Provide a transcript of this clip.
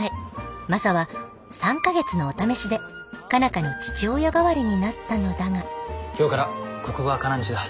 マサは３か月のお試しで佳奈花の父親代わりになったのだが今日からここがカナんちだ。